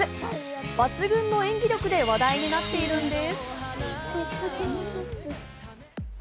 抜群の演技力で話題になっているんです。